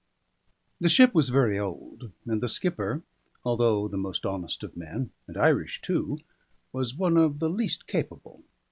The ship was very old; and the skipper, although the most honest of men (and Irish too), was one of the least capable.